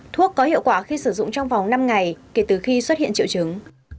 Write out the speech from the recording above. thuốc có hiệu quả khi sử dụng trong vòng năm ngày kể từ khi xuất hiện triệu chứng